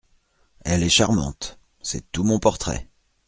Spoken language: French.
Elle est charmante… c’est tout mon portrait…